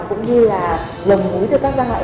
cũng như là lầm úi từ các gian loại